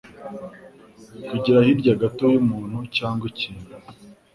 Kwigira hirya gato y'umuntu cyangwa ikintu.